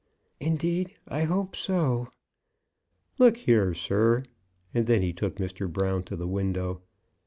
"Indeed, I hope so." "Look here, sir!" and then he took Mr. Brown to the window.